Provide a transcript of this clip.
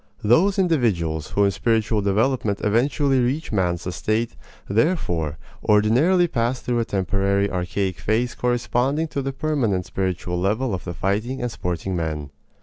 Those individuals who in spiritual development eventually reach man's estate, therefore, ordinarily pass through a temporary archaic phase corresponding to the permanent spiritual level of the fighting and sporting men.